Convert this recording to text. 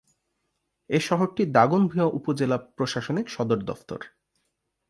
এ শহরটি দাগনভূঞা উপজেলা প্রশাসনিক সদর দফতর।